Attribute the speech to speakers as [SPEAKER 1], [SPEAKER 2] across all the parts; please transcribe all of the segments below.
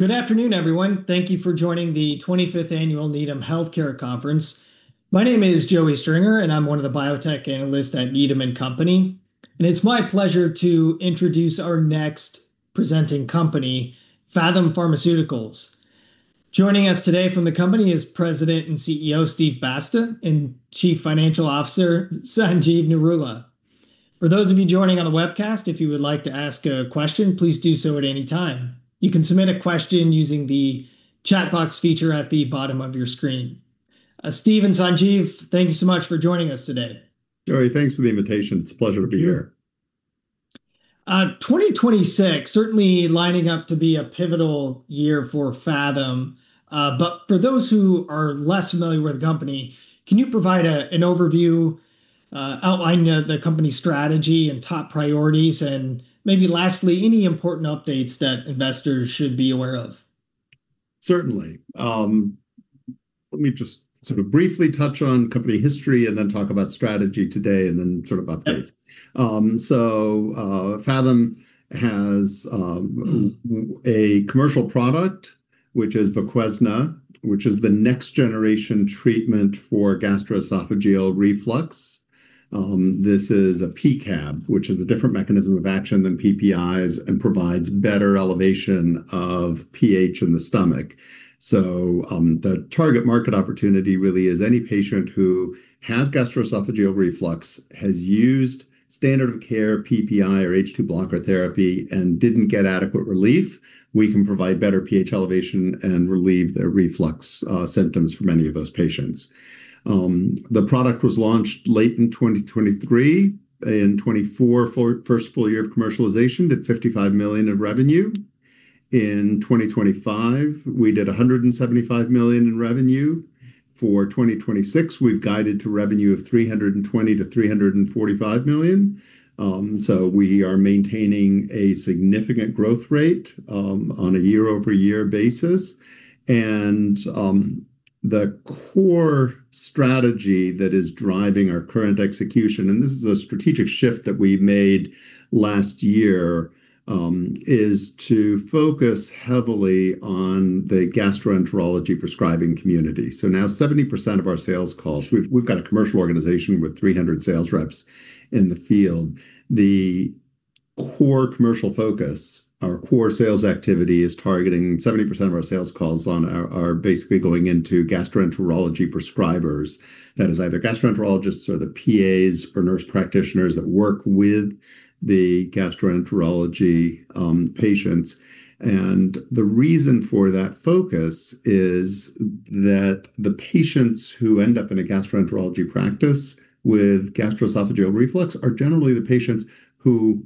[SPEAKER 1] Good afternoon, everyone. Thank you for joining the 25th Annual Needham Healthcare Conference. My name is Joey Stringer, and I'm one of the biotech analysts at Needham & Company. It's my pleasure to introduce our next presenting company, Phathom Pharmaceuticals. Joining us today from the company is President and CEO, Steve Basta, and Chief Financial Officer, Sanjeev Narula. For those of you joining on the webcast, if you would like to ask a question, please do so at any time. You can submit a question using the chat box feature at the bottom of your screen. Steve and Sanjeev, thank you so much for joining us today.
[SPEAKER 2] Joey, thanks for the invitation. It's a pleasure to be here.
[SPEAKER 1] 2026, certainly lining up to be a pivotal year for Phathom. For those who are less familiar with the company, can you provide an overview outlining the company strategy and top priorities, and maybe lastly, any important updates that investors should be aware of?
[SPEAKER 2] Certainly. Let me just briefly touch on company history and then talk about strategy today and then updates.
[SPEAKER 1] Yeah.
[SPEAKER 2] Phathom has a commercial product, which is VOQUEZNA, which is the next generation treatment for gastroesophageal reflux. This is a PCAB, which is a different mechanism of action than PPIs and provides better elevation of pH in the stomach. The target market opportunity really is any patient who has gastroesophageal reflux, has used standard of care PPI or H2 blocker therapy and didn't get adequate relief. We can provide better pH elevation and relieve their reflux symptoms for many of those patients. The product was launched late in 2023. In 2024, first full year of commercialization, did 155 million of revenue. In 2025, we did 175 million in revenue. For 2026, we've guided to revenue of 320 million-345 million. We are maintaining a significant growth rate on a year-over-year basis. The core strategy that is driving our current execution, and this is a strategic shift that we made last year, is to focus heavily on the gastroenterology prescribing community. Now 70% of our sales calls, we've got a commercial organization with 300 sales reps in the field. The core commercial focus, our core sales activity, is targeting 70% of our sales calls are basically going into gastroenterology prescribers. That is either gastroenterologists or the PAs or nurse practitioners that work with the gastroenterology patients. The reason for that focus is that the patients who end up in a gastroenterology practice with gastroesophageal reflux are generally the patients who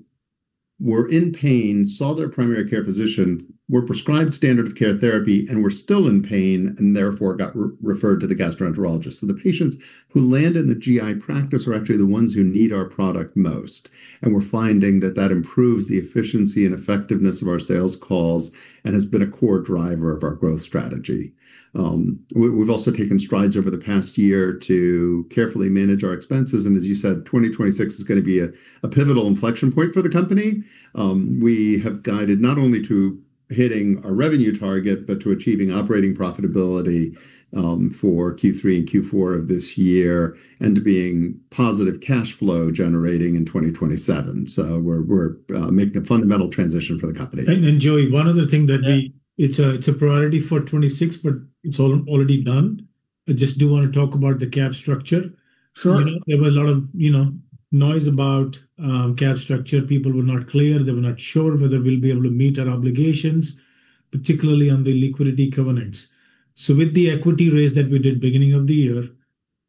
[SPEAKER 2] were in pain, saw their primary care physician, were prescribed standard of care therapy and were still in pain, and therefore got referred to the gastroenterologist. The patients who land in the GI practice are actually the ones who need our product most. We're finding that that improves the efficiency and effectiveness of our sales calls and has been a core driver of our growth strategy. We've also taken strides over the past year to carefully manage our expenses, and as you said, 2026 is going to be a pivotal inflection point for the company. We have guided not only to hitting our revenue target, but to achieving operating profitability for Q3 and Q4 of this year, and to being positive cash flow generating in 2027. We're making a fundamental transition for the company.
[SPEAKER 3] Joey, one other thing that.
[SPEAKER 1] Yeah
[SPEAKER 3] It's a priority for 2026, but it's already done. I just do want to talk about the cap structure.
[SPEAKER 1] Sure.
[SPEAKER 3] There were a lot of noise about cap structure. People were not clear. They were not sure whether we'll be able to meet our obligations, particularly on the liquidity covenants. With the equity raise that we did beginning of the year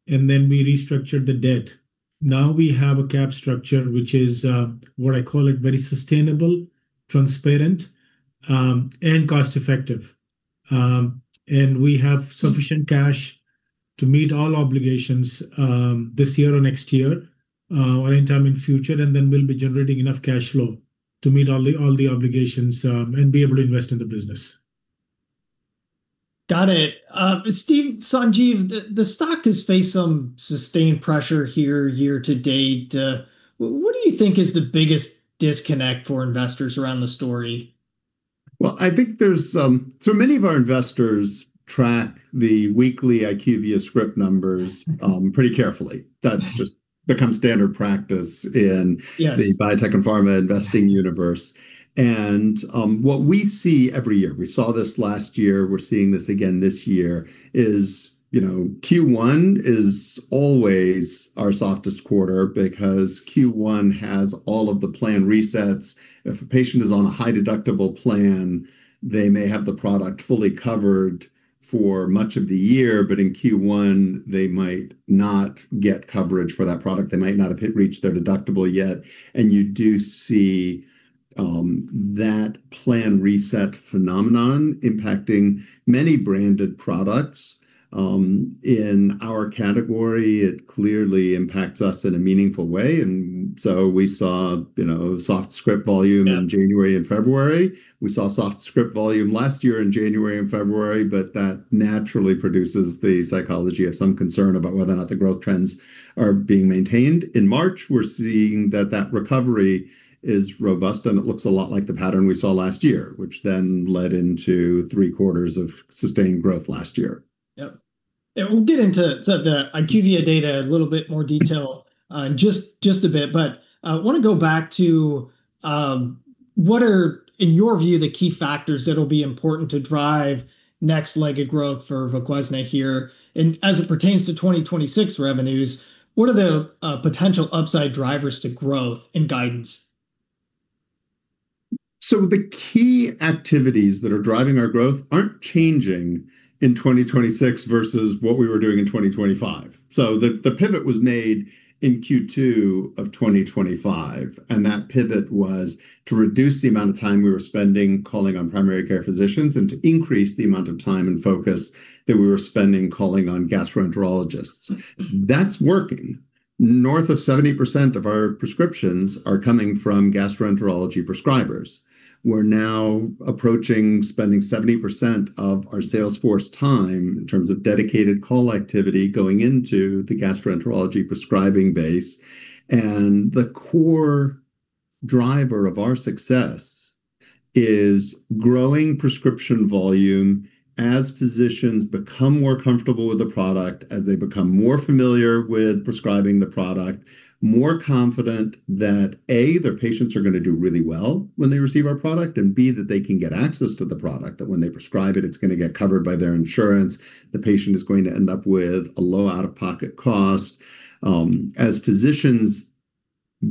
[SPEAKER 3] and then we restructured the debt, now we have a cap structure, which is what I call it very sustainable, transparent, and cost-effective. We have sufficient cash to meet all obligations this year or next year, or any time in future, and then we'll be generating enough cash flow to meet all the obligations and be able to invest in the business.
[SPEAKER 1] Got it. Steve, Sanjeev, the stock has faced some sustained pressure here year-to-date. What do you think is the biggest disconnect for investors around the story?
[SPEAKER 2] Well, so many of our investors track the weekly IQVIA script numbers pretty carefully.
[SPEAKER 1] Yes
[SPEAKER 2] The biotech and pharma investing universe. What we see every year, we saw this last year, we're seeing this again this year is Q1 is always our softest quarter because Q1 has all of the plan resets. If a patient is on a high deductible plan, they may have the product fully covered for much of the year, but in Q1, they might not get coverage for that product. They might not have reached their deductible yet. You do see that plan reset phenomenon impacting many branded products. In our category, it clearly impacts us in a meaningful way. We saw soft script volume.
[SPEAKER 1] Yeah
[SPEAKER 2] We saw soft script volume last year in January and February, but that naturally produces the psychology of some concern about whether or not the growth trends are being maintained. In March, we're seeing that recovery is robust, and it looks a lot like the pattern we saw last year, which then led into Q3 of sustained growth last year.
[SPEAKER 1] Yep. We'll get into some of the IQVIA data in a little bit more detail in just a bit. I want to go back to what are, in your view, the key factors that'll be important to drive next leg of growth for VOQUEZNA here, and as it pertains to 2026 revenues, what are the potential upside drivers to growth and guidance?
[SPEAKER 2] The key activities that are driving our growth aren't changing in 2026 versus what we were doing in 2025. The pivot was made in Q2 of 2025, and that pivot was to reduce the amount of time we were spending calling on primary care physicians and to increase the amount of time and focus that we were spending calling on gastroenterologists. That's working. North of 70% of our prescriptions are coming from gastroenterology prescribers. We're now approaching spending 70% of our sales force time in terms of dedicated call activity going into the gastroenterology prescribing base. The core driver of our success is growing prescription volume as physicians become more comfortable with the product, as they become more familiar with prescribing the product, more confident that, A, their patients are going to do really well when they receive our product, and B, that they can get access to the product, that when they prescribe it's going to get covered by their insurance. The patient is going to end up with a low out-of-pocket cost. As physicians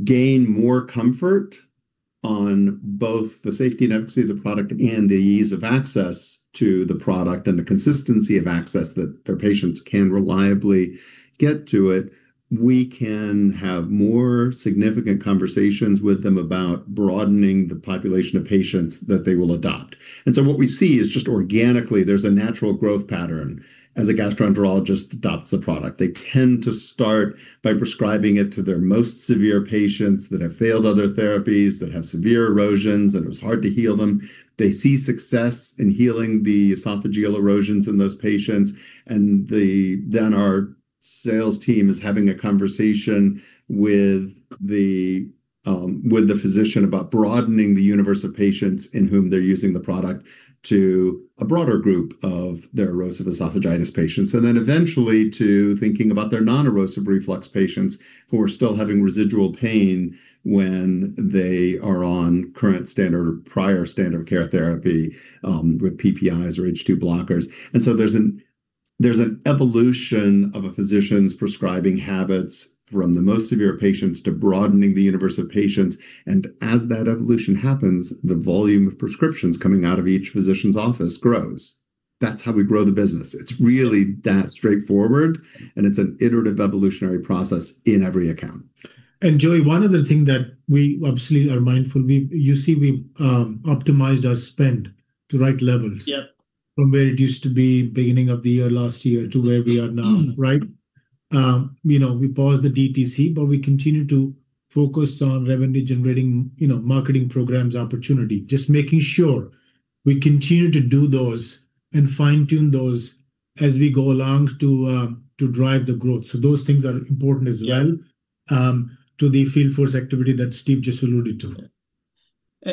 [SPEAKER 2] gain more comfort on both the safety and efficacy of the product and the ease of access to the product and the consistency of access that their patients can reliably get to it, we can have more significant conversations with them about broadening the population of patients that they will adopt. What we see is just organically, there's a natural growth pattern as a gastroenterologist adopts the product. They tend to start by prescribing it to their most severe patients that have failed other therapies, that have severe erosions, and it was hard to heal them. They see success in healing the esophageal erosions in those patients, and then our sales team is having a conversation with the physician about broadening the universe of patients in whom they're using the product to a broader group of their erosive esophagitis patients, and eventually to thinking about their non-erosive reflux patients who are still having residual pain when they are on current standard or prior standard of care therapy with PPIs or H2 blockers. There's an evolution of a physician's prescribing habits from the most severe patients to broadening the universe of patients. As that evolution happens, the volume of prescriptions coming out of each physician's office grows. That's how we grow the business. It's really that straightforward, and it's an iterative evolutionary process in every account.
[SPEAKER 3] Joey, one other thing that we obviously are mindful, you see we've optimized our spend to right levels.
[SPEAKER 1] Yep
[SPEAKER 3] From where it used to be beginning of the year last year to where we are now, right? We paused the DTC, but we continue to focus on revenue-generating marketing programs opportunity, just making sure we continue to do those and fine-tune those as we go along to drive the growth. Those things are important as well to the field force activity that Steve just alluded to.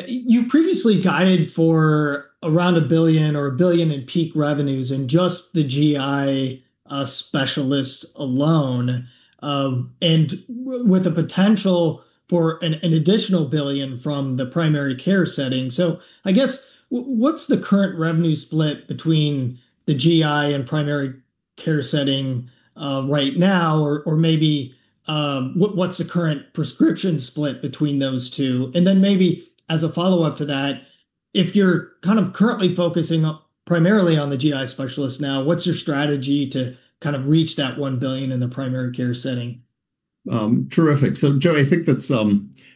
[SPEAKER 1] You previously guided for around 1 billion in peak revenues in just the GI specialists alone, and with a potential for an additional 1 billion from the primary care setting. I guess what's the current revenue split between the GI and primary care setting right now? Maybe what's the current prescription split between those two? Maybe as a follow-up to that, if you're kind of currently focusing primarily on the GI specialists now, what's your strategy to kind of reach that 1 billion in the primary care setting?
[SPEAKER 2] Terrific. Joey, I think that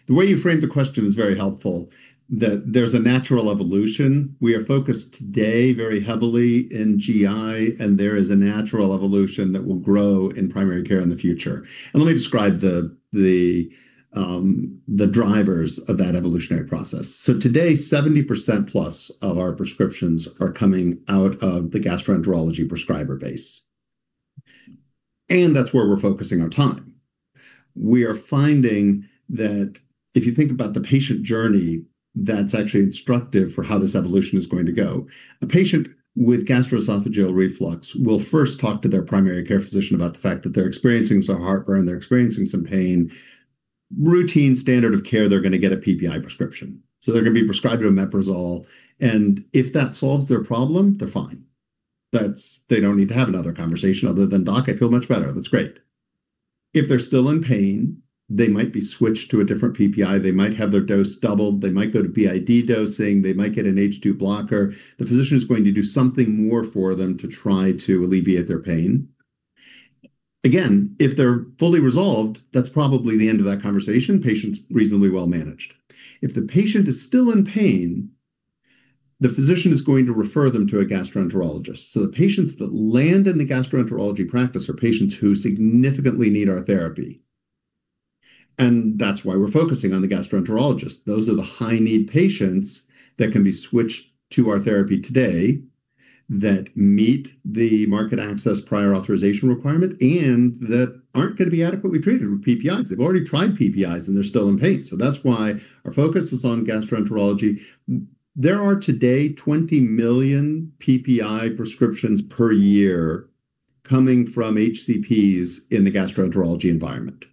[SPEAKER 2] the way you framed the question was very helpful, that there's a natural evolution. We are focused today very heavily in GI, and there is a natural evolution that will grow in primary care in the future. Let me describe the drivers of that evolutionary process. Today, 70%+ of our prescriptions are coming out of the gastroenterology prescriber base. That's where we're focusing our time. We are finding that if you think about the patient journey, that's actually instructive for how this evolution is going to go. A patient with gastroesophageal reflux will first talk to their primary care physician about the fact that they're experiencing some heartburn, they're experiencing some pain. Routine standard of care, they're going to get a PPI prescription. They're going to be prescribed omeprazole, and if that solves their problem, they're fine. They don't need to have another conversation other than, "Doc, I feel much better." That's great. If they're still in pain, they might be switched to a different PPI. They might have their dose doubled. They might go to BID dosing. They might get an H2 blocker. The physician is going to do something more for them to try to alleviate their pain. Again, if they're fully resolved, that's probably the end of that conversation. Patient's reasonably well managed. If the patient is still in pain, the physician is going to refer them to a gastroenterologist, so the patients that land in the gastroenterology practice are patients who significantly need our therapy. That's why we're focusing on the gastroenterologist. Those are the high-need patients that can be switched to our therapy today that meet the market access prior authorization requirement and that aren't going to be adequately treated with PPIs. They've already tried PPIs, and they're still in pain. That's why our focus is on gastroenterology. There are today 20 million PPI prescriptions per year coming from HCPs in the gastroenterology environment.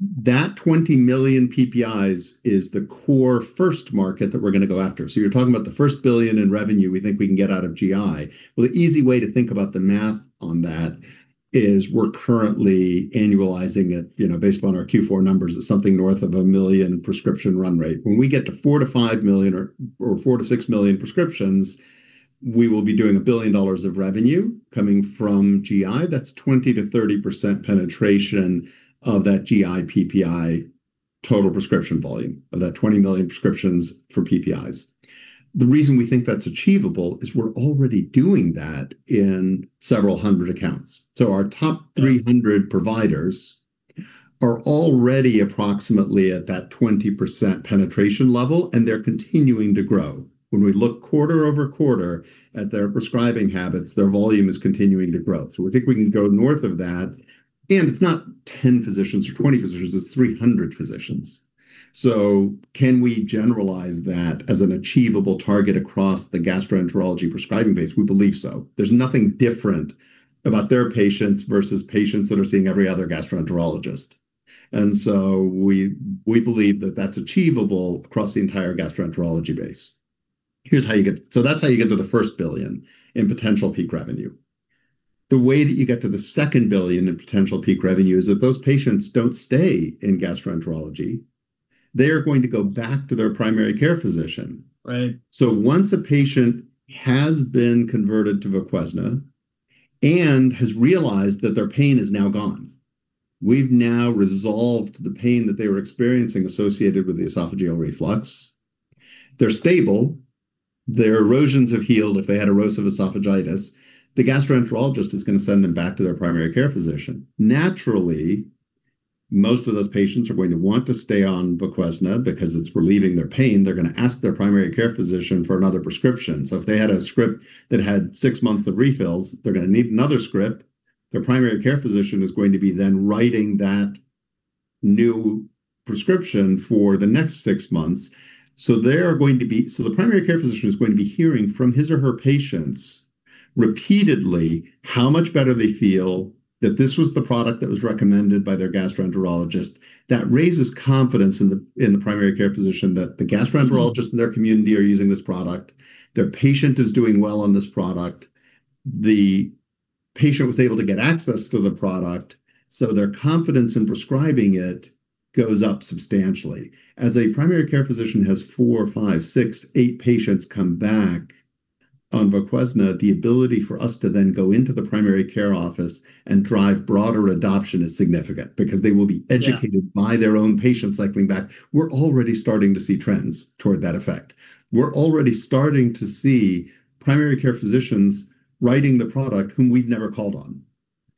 [SPEAKER 2] That 20 million PPIs is the core first market that we're going to go after. You're talking about the first billion in revenue we think we can get out of GI. Well, the easy way to think about the math on that is we're currently annualizing it, based on our Q4 numbers, at something north of 1 million prescription run rate. When we get to 4 million-6 million prescriptions, we will be doing $1 billion of revenue coming from GI. That's 20%-30% penetration of that GI PPI total prescription volume, of that 20 million prescriptions for PPIs. The reason we think that's achievable is we're already doing that in several hundred accounts. Our top 300 providers are already approximately at that 20% penetration level, and they're continuing to grow. When we look quarter-over-quarter at their prescribing habits, their volume is continuing to grow. We think we can go north of that, and it's not 10 physicians or 20 physicians, it's 300 physicians. Can we generalize that as an achievable target across the gastroenterology prescribing base? We believe so. There's nothing different about their patients versus patients that are seeing every other gastroenterologist. * We believe that that's achievable across the entire gastroenterology base. That's how you get to the first billion in potential peak revenue. The way that you get to the second billion in potential peak revenue is that those patients don't stay in gastroenterology. They are going to go back to their primary care physician.
[SPEAKER 1] Right.
[SPEAKER 2] Once a patient has been converted to VOQUEZNA and has realized that their pain is now gone, we've now resolved the pain that they were experiencing associated with the esophageal reflux. They're stable. Their erosions have healed if they had erosive esophagitis. The gastroenterologist is going to send them back to their primary care physician. Naturally, most of those patients are going to want to stay on VOQUEZNA because it's relieving their pain. They're going to ask their primary care physician for another prescription. If they had a script that had six months of refills, they're going to need another script. Their primary care physician is going to be then writing that new prescription for the next six months. The primary care physician is going to be hearing from his or her patients repeatedly how much better they feel that this was the product that was recommended by their gastroenterologist. That raises confidence in the primary care physician that the gastroenterologists in their community are using this product. Their patient is doing well on this product. The patient was able to get access to the product, so their confidence in prescribing it goes up substantially. As a primary care physician has four, five, six, eight patients come back on VOQUEZNA, the ability for us to then go into the primary care office and drive broader adoption is significant because they will be educated.
[SPEAKER 1] Yeah
[SPEAKER 2] By their own patients cycling back. We're already starting to see trends toward that effect. We're already starting to see primary care physicians writing the product whom we've never called on.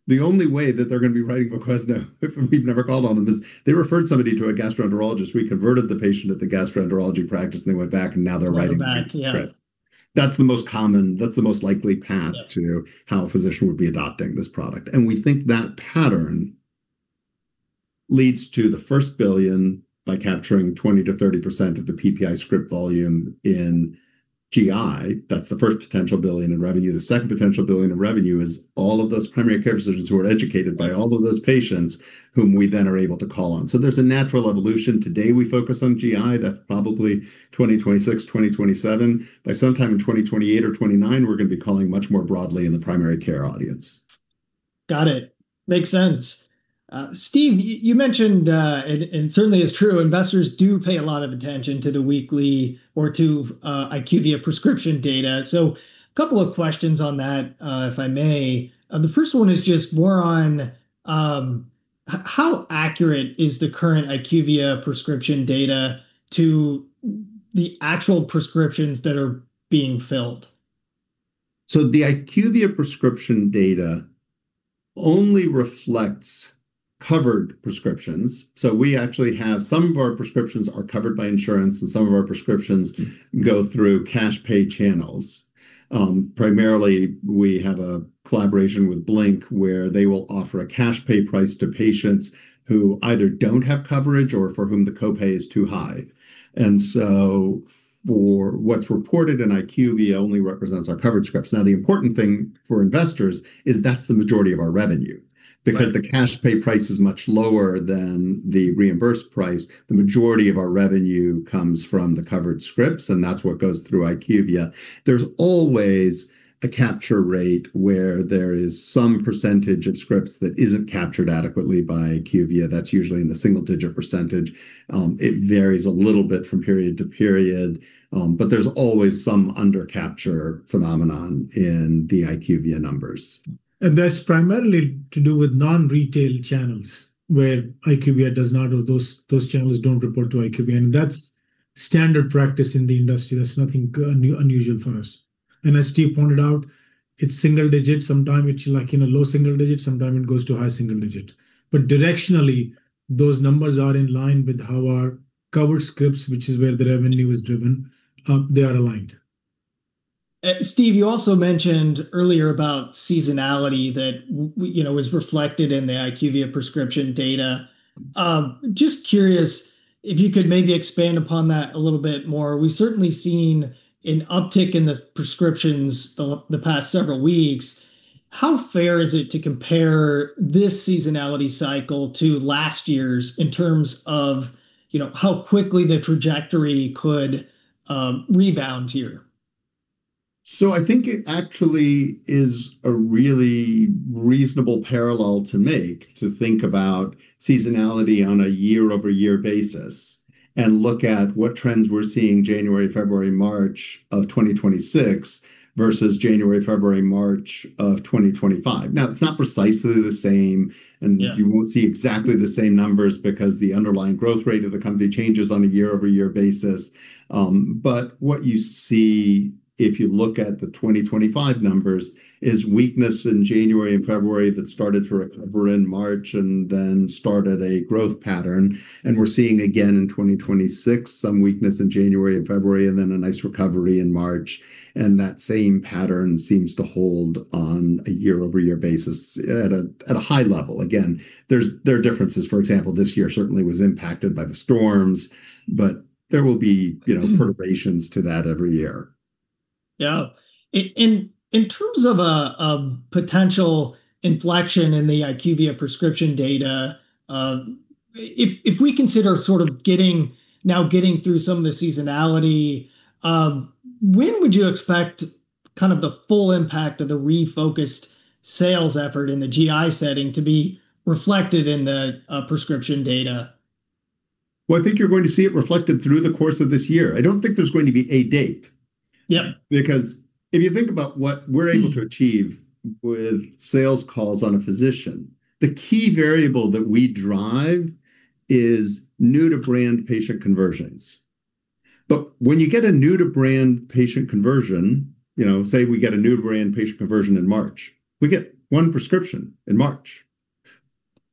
[SPEAKER 2] The only way that they're going to be writing VOQUEZNA if we've never called on them is they referred somebody to a gastroenterologist, we converted the patient at the gastroenterology practice, and they went back, and now they're writing the script.
[SPEAKER 1] Went back, yeah.
[SPEAKER 2] That's the most likely path to how a physician would be adopting this product. We think that pattern leads to the first billion by capturing 20%-30% of the PPI script volume in GI. That's the first potential billion in revenue. The second potential billion of revenue is all of those primary care physicians who are educated by all of those patients whom we then are able to call on. There's a natural evolution. Today, we focus on GI. That's probably 2026, 2027. By sometime in 2028 or 2029, we're going to be calling much more broadly in the primary care audience.
[SPEAKER 1] Got it. Makes sense. Steve, you mentioned, and certainly is true, investors do pay a lot of attention to the weekly or to IQVIA prescription data. A couple of questions on that, if I may. The first one is just more on how accurate is the current IQVIA prescription data to the actual prescriptions that are being filled?
[SPEAKER 2] The IQVIA prescription data only reflects covered prescriptions. We actually have some of our prescriptions are covered by insurance, and some of our prescriptions go through cash-pay channels. Primarily, we have a collaboration with Blink where they will offer a cash-pay price to patients who either don't have coverage or for whom the copay is too high. For what's reported in IQVIA only represents our covered scripts. Now, the important thing for investors is that's the majority of our revenue.
[SPEAKER 1] Right.
[SPEAKER 2] Because the cash-pay price is much lower than the reimbursed price, the majority of our revenue comes from the covered scripts, and that's what goes through IQVIA. There's always a capture rate where there is some percentege of scripts that isn't captured adequately by IQVIA. That's usually in the single-digit percentage. It varies a little bit from period to period, but there's always some under-capture phenomenon in the IQVIA numbers.
[SPEAKER 3] And that's primarily to do with non-retail channels where IQVIA does not, or those channels don't report to IQVIA, and that's standard practice in the industry. That's nothing unusual for us. And as Steve pointed out, it's single digit. Sometimes it's in low single digit, sometimes it goes to high single digit. But directionally, those numbers are in line with how our covered scripts, which is where the revenue is driven, they are aligned.
[SPEAKER 1] Steve, you also mentioned earlier about seasonality that was reflected in the IQVIA prescription data. Just curious if you could maybe expand upon that a little bit more. We've certainly seen an uptick in the prescriptions the past several weeks. How fair is it to compare this seasonality cycle to last year's in terms of how quickly the trajectory could rebound here?
[SPEAKER 2] I think it actually is a really reasonable parallel to make to think about seasonality on a year-over-year basis and look at what trends we're seeing January, February, March of 2026 versus January, February, March of 2025. Now, it's not precisely the same.
[SPEAKER 1] Yeah
[SPEAKER 2] You won't see exactly the same numbers because the underlying growth rate of the company changes on a year-over-year basis. What you see if you look at the 2025 numbers is weakness in January and February that started to recover in March and then started a growth pattern. We're seeing again in 2026 some weakness in January and February and then a nice recovery in March, and that same pattern seems to hold on a year-over-year basis at a high level. Again, there are differences. For example, this year certainly was impacted by the storms.
[SPEAKER 1] Mm
[SPEAKER 2] Perturbations to that every year.
[SPEAKER 1] Yeah. In terms of a potential inflection in the IQVIA prescription data, if we consider now getting through some of the seasonality, when would you expect the full impact of the refocused sales effort in the GI setting to be reflected in the prescription data?
[SPEAKER 2] Well, I think you're going to see it reflected through the course of this year. I don't think there's going to be a date.
[SPEAKER 1] Yeah.
[SPEAKER 2] Because if you think about what we're able to achieve with sales calls on a physician, the key variable that we drive is new-to-brand patient conversions. When you get a new-to-brand patient conversion, say we get a new-to-brand patient conversion in March, we get one prescription in March.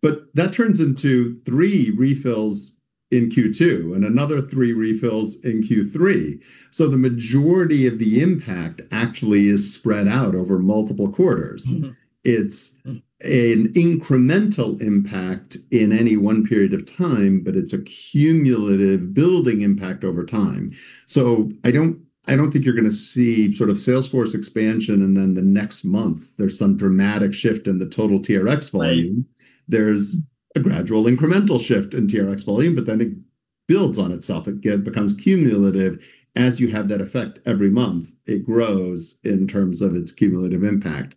[SPEAKER 2] That turns into three refills in Q2 and another three refills in Q3, so the majority of the impact actually is spread out over multiple quarters.
[SPEAKER 1] Mm-hmm.
[SPEAKER 2] It's an incremental impact in any one period of time, but it's a cumulative building impact over time. I don't think you're going to see sort of sales force expansion and then the next month there's some dramatic shift in the total TRX volume.
[SPEAKER 1] Right.
[SPEAKER 2] There's a gradual incremental shift in TRX volume, but then it builds on itself. It becomes cumulative. As you have that effect every month, it grows in terms of its cumulative impact.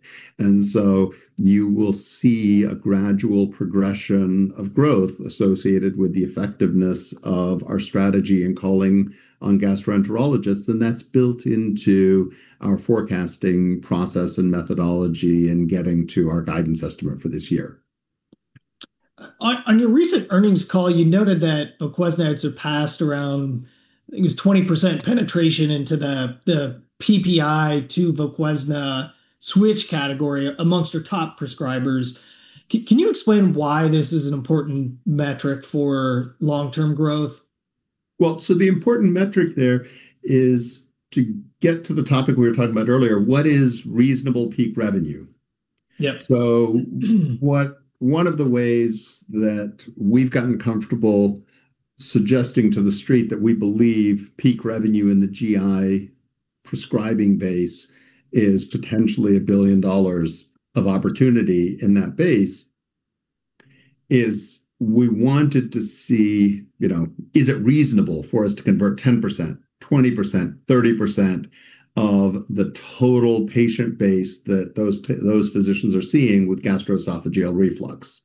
[SPEAKER 2] You will see a gradual progression of growth associated with the effectiveness of our strategy in calling on gastroenterologists, and that's built into our forecasting process and methodology in getting to our guidance estimate for this year.
[SPEAKER 1] On your recent earnings call, you noted that VOQUEZNA had surpassed around, I think it was 20% penetration into the PPI to VOQUEZNA switch category amongst your top prescribers. Can you explain why this is an important metric for long-term growth?
[SPEAKER 2] Well, the important metric there is to get to the topic we were talking about earlier. What is reasonable peak revenue?
[SPEAKER 1] Yep.
[SPEAKER 2] One of the ways that we've gotten comfortable suggesting to the street that we believe peak revenue in the GI prescribing base is potentially $1 billion of opportunity in that base is we wanted to see is it reasonable for us to convert 10%, 20%, 30% of the total patient base that those physicians are seeing with gastroesophageal reflux?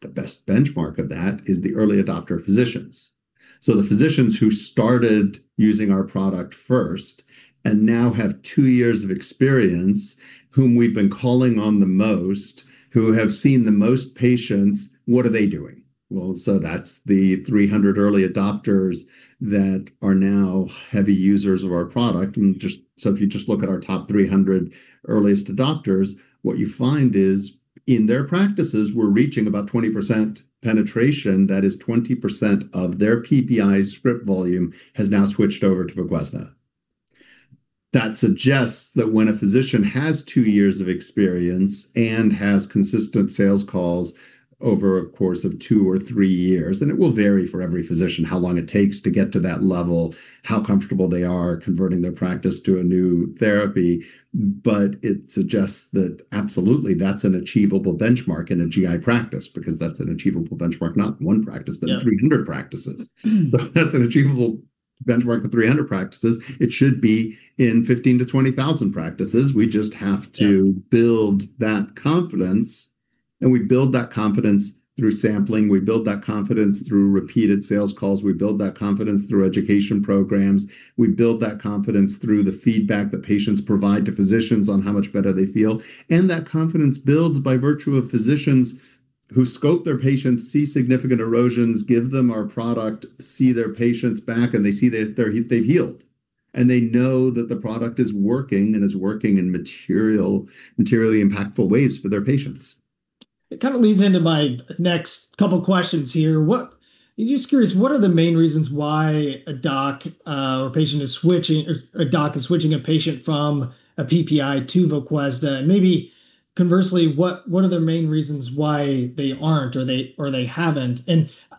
[SPEAKER 2] The best benchmark of that is the early adopter physicians. The physicians who started using our product first and now have two years of experience, whom we've been calling on the most, who have seen the most patients, what are they doing? Well, that's the 300 early adopters that are now heavy users of our product. If you just look at our top 300 earliest adopters, what you find is in their practices, we're reaching about 20% penetration. That is 20% of their PPI script volume has now switched over to VOQUEZNA. That suggests that when a physician has two years of experience and has consistent sales calls over a course of two or three years, and it will vary for every physician how long it takes to get to that level, how comfortable they are converting their practice to a new therapy. It suggests that absolutely that's an achievable benchmark in a GI practice, because that's an achievable benchmark, not in one practice.
[SPEAKER 1] Yeah
[SPEAKER 2] In 300 practices, if that's an achievable benchmark for 300 practices, it should be in 15,000-20,000 practices.
[SPEAKER 1] Yeah
[SPEAKER 2] We build that confidence. We build that confidence through sampling, we build that confidence through repeated sales calls, we build that confidence through education programs, we build that confidence through the feedback that patients provide to physicians on how much better they feel. That confidence builds by virtue of physicians who scope their patients, see significant erosions, give them our product, see their patients back, and they see they've healed, and they know that the product is working in materially impactful ways for their patients.
[SPEAKER 1] It kind of leads into my next couple questions here. I'm just curious, what are the main reasons why a doc is switching a patient from a PPI to VOQUEZNA? Maybe conversely, what are their main reasons why they aren't, or they haven't?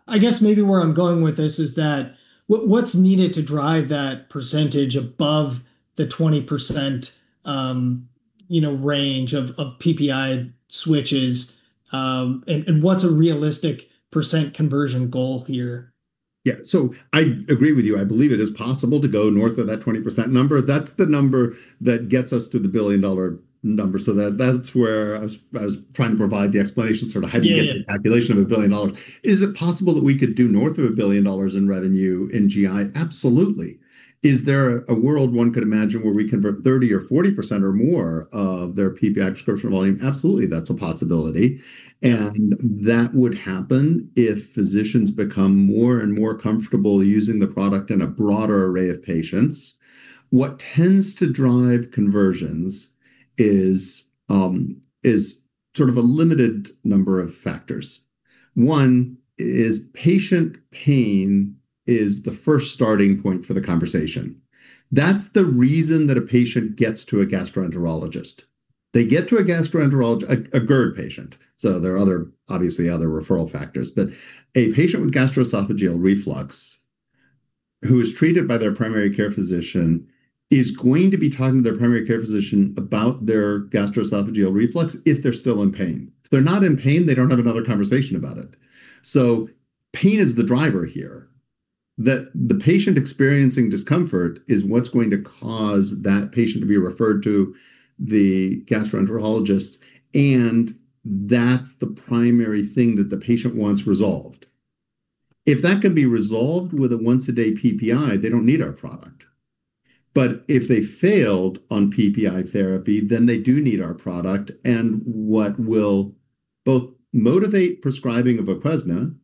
[SPEAKER 1] I guess maybe where I'm going with this is that what's needed to drive that percentage above the 20%, you know, range of PPI switches, and what's a realistic percent conversion goal here?
[SPEAKER 2] Yeah. I agree with you. I believe it is possible to go north of that 20% number. That's the number that gets us to the billion-dollar number. That's where I was trying to provide the explanation, sort of how do you get to the calculation of $1 billion. Is it possible that we could do north of $1 billion in revenue in GI? Absolutely. Is there a world one could imagine where we convert 30%-40% or more of their PPI prescription volume? Absolutely, that's a possibility. That would happen if physicians become more and more comfortable using the product in a broader array of patients. What tends to drive conversions is sort of a limited number of factors. One is patient pain is the first starting point for the conversation. That's the reason that a patient gets to a gastroenterologist. They get to a gastroenterologist, a GERD patient, so there are obviously other referral factors, but a patient with gastroesophageal reflux who is treated by their primary care physician is going to be talking to their primary care physician about their gastroesophageal reflux if they're still in pain. If they're not in pain, they don't have another conversation about it. So pain is the driver here, that the patient experiencing discomfort is what's going to cause that patient to be referred to the gastroenterologist, and that's the primary thing that the patient wants resolved. If that can be resolved with a once-a-day PPI, they don't need our product. If they failed on PPI therapy, then they do need our product. What will both motivate prescribing of VOQUEZNA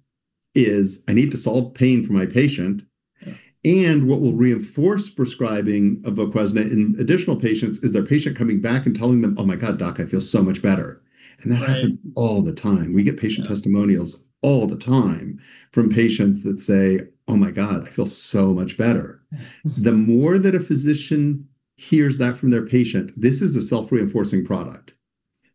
[SPEAKER 2] is, "I need to solve pain for my patient," and what will reinforce prescribing of VOQUEZNA in additional patients is their patient coming back and telling them, "Oh my God, Doc, I feel so much better.
[SPEAKER 1] Right.
[SPEAKER 2] That happens all the time. We get patient testimonials all the time from patients that say, "Oh my God, I feel so much better." The more that a physician hears that from their patient, this is a self-reinforcing product.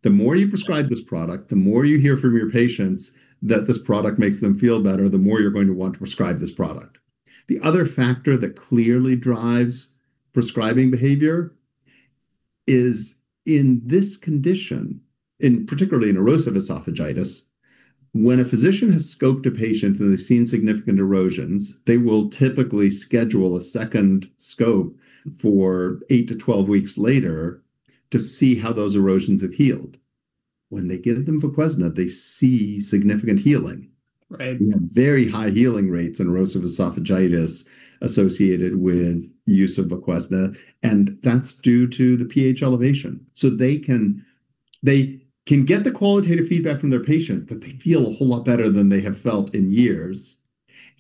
[SPEAKER 2] The more you prescribe this product, the more you hear from your patients that this product makes them feel better, the more you're going to want to prescribe this product. The other factor that clearly drives prescribing behavior is in this condition, particularly in erosive esophagitis, when a physician has scoped a patient and they've seen significant erosions, they will typically schedule a second scope for 8-12 weeks later to see how those erosions have healed. When they give them VOQUEZNA, they see significant healing.
[SPEAKER 1] Right.
[SPEAKER 2] We have very high healing rates in erosive esophagitis associated with use of VOQUEZNA, and that's due to the pH elevation, so they can get the qualitative feedback from their patient that they feel a whole lot better than they have felt in years,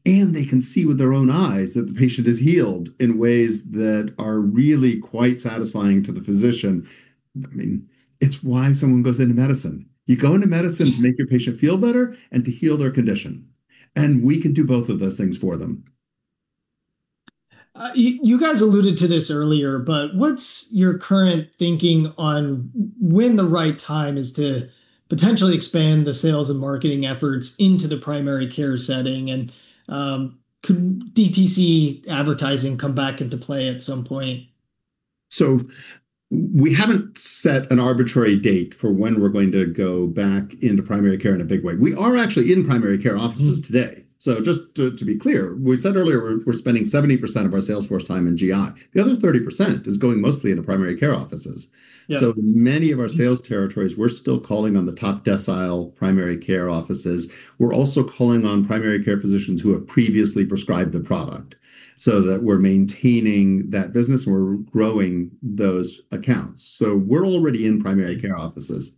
[SPEAKER 2] and they can see with their own eyes that the patient is healed in ways that are really quite satisfying to the physician. I mean, it's why someone goes into medicine. You go into medicine to make your patient feel better and to heal their condition. We can do both of those things for them.
[SPEAKER 1] You guys alluded to this earlier, but what's your current thinking on when the right time is to potentially expand the sales and marketing efforts into the primary care setting? Could DTC advertising come back into play at some point?
[SPEAKER 2] We haven't set an arbitrary date for when we're going to go back into primary care in a big way. We are actually in primary care offices today. Just to be clear, we said earlier we're spending 70% of our sales force time in GI. The other 30% is going mostly into primary care offices.
[SPEAKER 1] Yeah.
[SPEAKER 2] Many of our sales territories, we're still calling on the top decile primary care offices. We're also calling on primary care physicians who have previously prescribed the product so that we're maintaining that business and we're growing those accounts. We're already in primary care offices.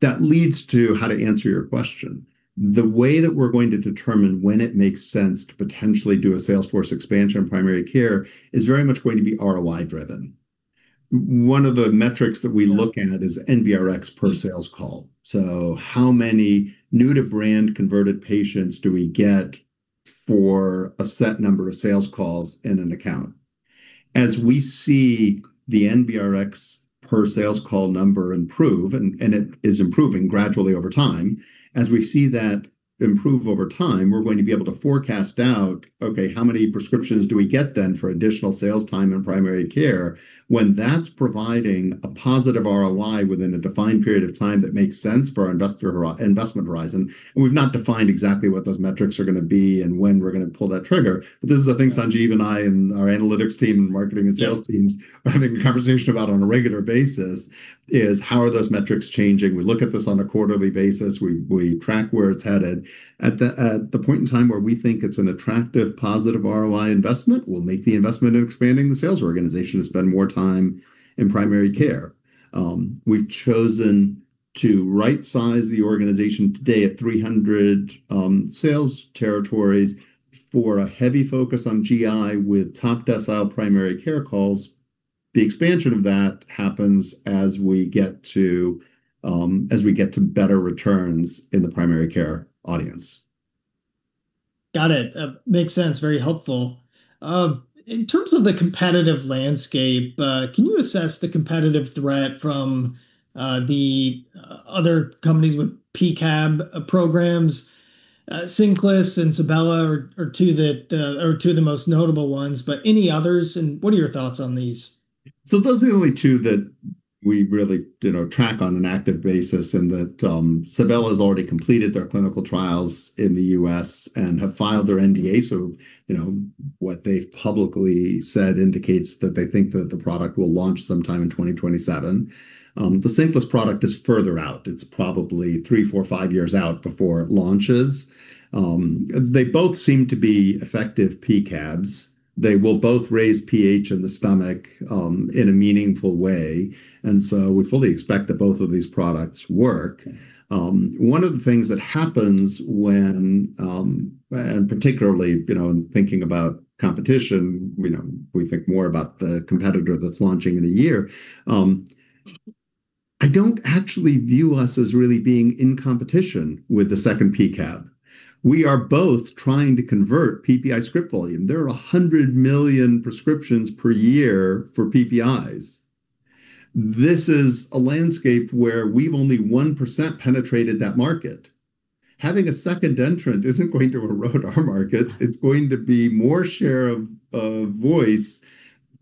[SPEAKER 2] That leads to how to answer your question. The way that we're going to determine when it makes sense to potentially do a sales force expansion in primary care is very much going to be ROI driven. One of the metrics that we look at is NBRX per sales call. How many new-to-brand converted patients do we get for a set number of sales calls in an account? As we see the NBRX per sales call number improve, and it is improving gradually over time, we're going to be able to forecast out, okay, how many prescriptions do we get then for additional sales time in primary care when that's providing a positive ROI within a defined period of time that makes sense for our investment horizon. We've not defined exactly what those metrics are going to be and when we're going to pull that trigger. This is the thing Sanjeev and I and our analytics team and marketing and sales teams are having a conversation about on a regular basis is how are those metrics changing? We look at this on a quarterly basis. We track where it's headed. At the point in time here we think it's an attractive positive ROI investment, we'll make the investment in expanding the sales organization to spend more time in primary care. We've chosen to rightsize the organization today at 300 sales territories for a heavy focus on GI with top decile primary care calls. The expansion of that happens as we get to better returns in the primary care audience.
[SPEAKER 1] Got it. Makes sense. Very helpful. In terms of the competitive landscape, can you assess the competitive threat from the other companies with PCAB programs? Cinclus and Sebela are two of the most notable ones. Any others, and what are your thoughts on these?
[SPEAKER 2] Those are the only two that we really track on an active basis in that Sebela's already completed their clinical trials in the U.S. and have filed their NDA. What they've publicly said indicates that they think that the product will launch sometime in 2027. The Cinclus product is further out. It's probably three, four, five years out before it launches. They both seem to be effective PCABs. They will both raise pH in the stomach in a meaningful way. We fully expect that both of these products work.
[SPEAKER 1] Okay.
[SPEAKER 2] One of the things that happens when, and particularly, in thinking about competition, we think more about the competitor that's launching in a year. I don't actually view us as really being in competition with the second PCAB. We are both trying to convert PPI script volume. There are 100 million prescriptions per year for PPIs. This is a landscape where we've only 1% penetrated that market. Having a second entrant isn't going to erode our market. It's going to be more share of voice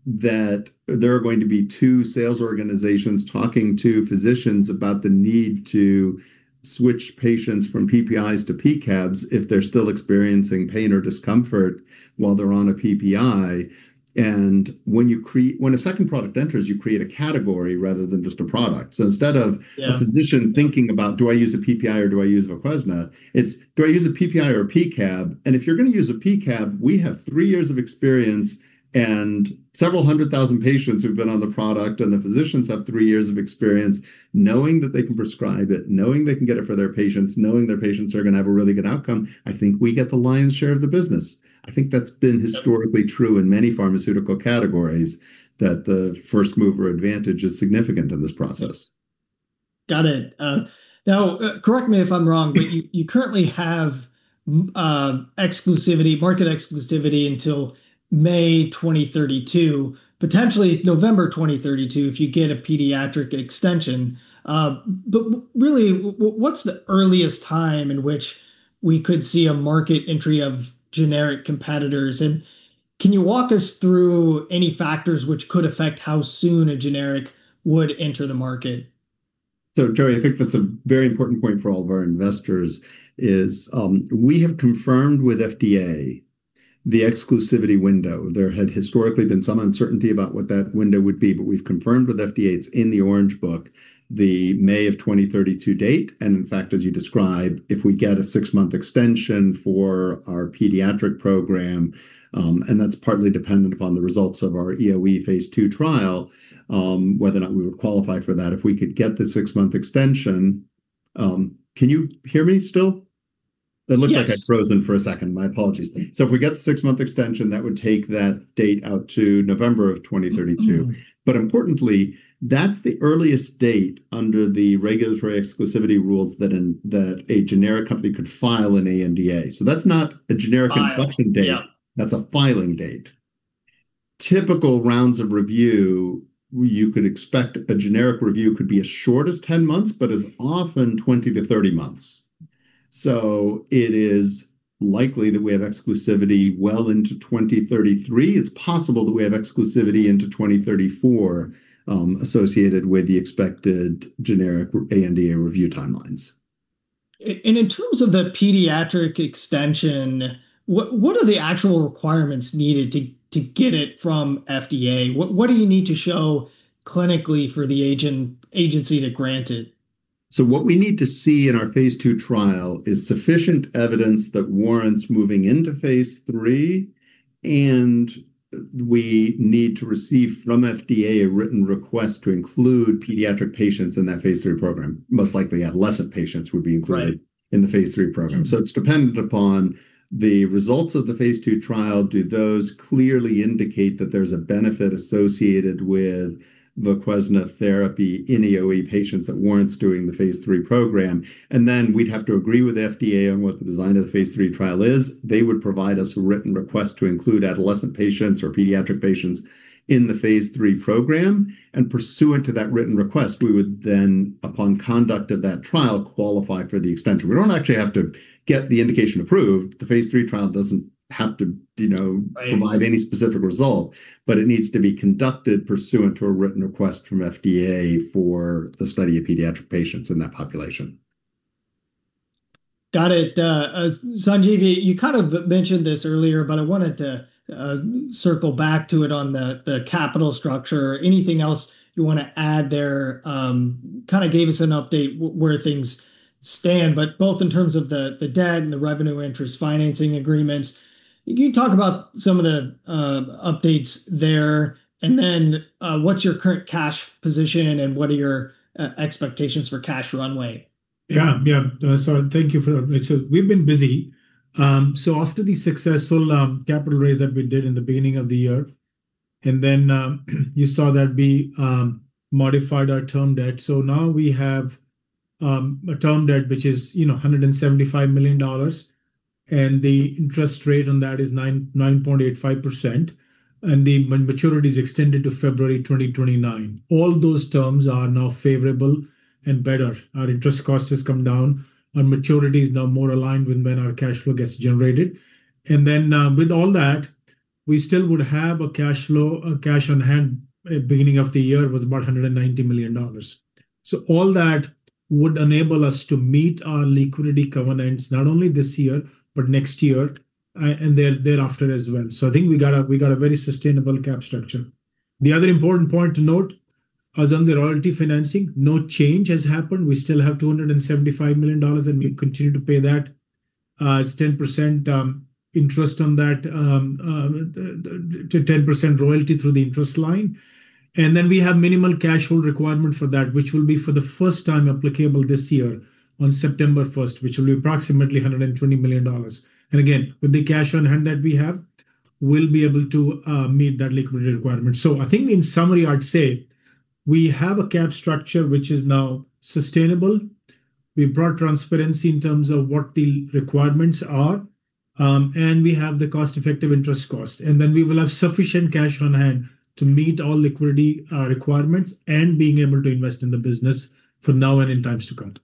[SPEAKER 2] that there are going to be two sales organizations talking to physicians about the need to switch patients from PPIs to PCABs if they're still experiencing pain or discomfort while they're on a PPI. When a second product enters, you create a category rather than just a product.
[SPEAKER 1] Yeah
[SPEAKER 2] A physician thinking about, do I use a PPI or do I use VOQUEZNA? It's, do I use a PPI or a PCAB? If you're going to use a PCAB, we have three years of experience and several 100,000 patients who've been on the product, and the physicians have three years of experience knowing that they can prescribe it, knowing they can get it for their patients, knowing their patients are going to have a really good outcome. I think we get the lion's share of the business. I think that's been historically true in many pharmaceutical categories, that the first-mover advantage is significant in this process.
[SPEAKER 1] Got it. Now, correct me if I'm wrong, but you currently have market exclusivity until May 2032, potentially November 2032 if you get a pediatric extension. Really, what's the earliest time in which we could see a market entry of generic competitors? Can you walk us through any factors which could affect how soon a generic would enter the market?
[SPEAKER 2] Joey, I think that's a very important point for all of our investors is, we have confirmed with FDA the exclusivity window. There had historically been some uncertainty about what that window would be, but we've confirmed with FDA, it's in the Orange Book, the May of 2032 date. In fact, as you described, if we get a six-month extension for our pediatric program, and that's partly dependent upon the results of our EoE phase II trial, whether or not we would qualify for that, if we could get the six-month extension. Can you hear me still?
[SPEAKER 1] Yes.
[SPEAKER 2] It looked like I'd frozen for a second. My apologies. If we get the six-month extension, that would take that date out to November of 2032. Importantly, that's the earliest date under the regulatory exclusivity rules that a generic company could file an ANDA. That's not a generic.
[SPEAKER 1] File
[SPEAKER 2] Instruction date.
[SPEAKER 1] Yeah.
[SPEAKER 2] That's a filing date. Typical rounds of review, you could expect a generic review could be as short as 10 months, but is often 20 months-30 months. It is likely that we have exclusivity well into 2033. It's possible that we have exclusivity into 2034, associated with the expected generic ANDA review timelines.
[SPEAKER 1] In terms of the pediatric extension, what are the actual requirements needed to get it from FDA? What do you need to show clinically for the agency to grant it?
[SPEAKER 2] What we need to see in our phase II trial is sufficient evidence that warrants moving into phase III, and we need to receive from FDA a written request to include pediatric patients in that phase III program. Most likely, adolescent patients would be included.
[SPEAKER 1] Right
[SPEAKER 2] In the phase III program, it's dependent upon the results of the phase II trial. Do those clearly indicate that there's a benefit associated with VOQUEZNA therapy in EoE patients that warrants doing the phase III program? We'd have to agree with FDA on what the design of the phase III trial is. They would provide us a written request to include adolescent patients or pediatric patients in the phase III program, and pursuant to that written request, we would then, upon conduct of that trial, qualify for the extension. We don't actually have to get the indication approved.
[SPEAKER 1] Right
[SPEAKER 2] Provide any specific result, but it needs to be conducted pursuant to a written request from FDA for the study of pediatric patients in that population.
[SPEAKER 1] Got it. Sanjeev, you kind of mentioned this earlier, but I wanted to circle back to it on the capital structure. Anything else you want to add there? You kind of gave us an update where things stand, both in terms of the debt and the revenue interest financing agreements. Can you talk about some of the updates there? What's your current cash position, and what are your expectations for cash runway?
[SPEAKER 3] Yeah. Thank you for that, Richard. We've been busy. After the successful capital raise that we did in the beginning of the year, and then you saw that we modified our term debt. Now we have a term debt which is $175 million. The interest rate on that is 9.85%, and the maturity is extended to February 2029. All those terms are now favorable and better. Our interest cost has come down. Our maturity is now more aligned with when our cash flow gets generated. With all that, we still would have a cash on hand at the beginning of the year was about $190 million. All that would enable us to meet our liquidity covenants, not only this year, but next year, and thereafter as well. I think we got a very sustainable cap structure. The other important point to note is on the royalty financing, no change has happened. We still have $275 million, and we continue to pay that as 10% royalty through the interest line. We have minimal cash flow requirement for that, which will be for the first time applicable this year on September 1st, which will be approximately $120 million. Again, with the cash on hand that we have, we'll be able to meet that liquidity requirement. I think in summary, I'd say we have a cap structure which is now sustainable. We've brought transparency in terms of what the requirements are, and we have the cost-effective interest cost, and then we will have sufficient cash on hand to meet all liquidity requirements and being able to invest in the business from now and in times to come.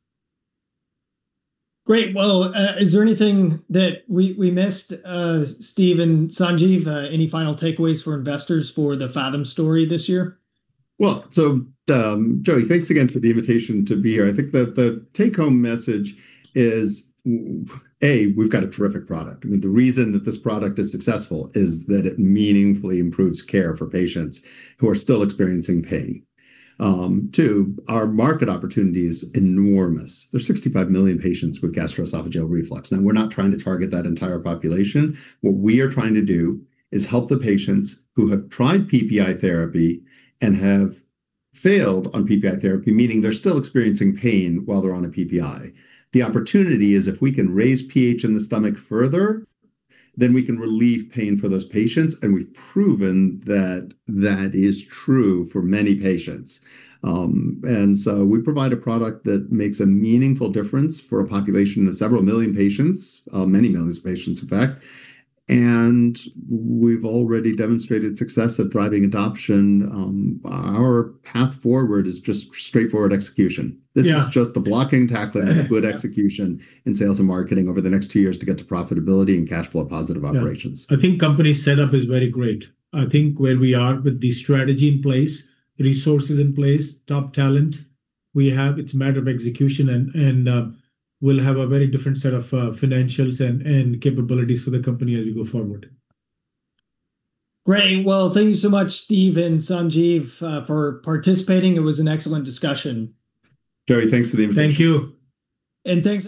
[SPEAKER 1] Great. Well, is there anything that we missed, Steve and Sanjeev? Any final takeaways for investors for the Phathom story this year?
[SPEAKER 2] Well, Joey, thanks again for the invitation to be here. I think that the take-home message is, A, we've got a terrific product. I mean, the reason that this product is successful is that it meaningfully improves care for patients who are still experiencing pain. Two, our market opportunity is enormous. There's 65 million patients with gastroesophageal reflux. Now, we're not trying to target that entire population. What we are trying to do is help the patients who have tried PPI therapy and have failed on PPI therapy, meaning they're still experiencing pain while they're on a PPI. The opportunity is if we can raise pH in the stomach further, then we can relieve pain for those patients. We've proven that that is true for many patients. We provide a product that makes a meaningful difference for a population of several million patients, many millions of patients, in fact. We've already demonstrated success of driving adoption. Our path forward is just straightforward execution.
[SPEAKER 1] Yeah.
[SPEAKER 2] This is just the blocking, tackling, and good execution in sales and marketing over the next two years to get to profitability and cash flow positive operations.
[SPEAKER 3] I think company setup is very great. I think where we are with the strategy in place, resources in place, top talent we have, it's a matter of execution, and we'll have a very different set of financials and capabilities for the company as we go forward.
[SPEAKER 1] Great. Well, thank you so much, Steve and Sanjeev, for participating. It was an excellent discussion.
[SPEAKER 2] Joey, thanks for the invitation.
[SPEAKER 3] Thank you.
[SPEAKER 1] Thanks.